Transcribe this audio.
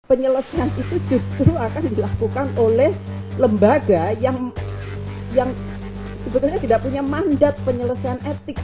penyelesaian itu justru akan dilakukan oleh lembaga yang sebetulnya tidak punya mandat penyelesaian etik